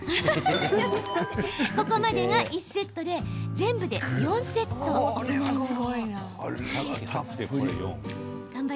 ここまでが１セットで全部で４セット行います。